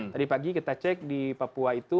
tadi pagi kita cek di papua itu